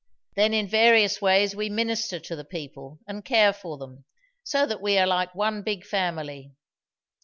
Then in various ways we minister to the people and care for them; so that we are like one big family.